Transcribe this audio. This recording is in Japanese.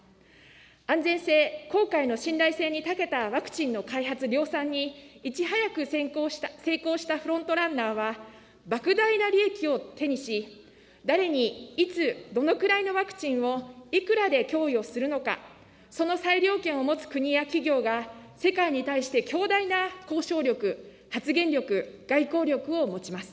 安全性、効果への信頼性にたけたワクチンの開発量産に、いち早く成功したフロントランナーは、ばく大な利益を手にし、誰にいつ、どのくらいのワクチンをいくらで供与するのか、その裁量権を持つ国や企業が、世界に対して強大な交渉力、発言力、外交力を持ちます。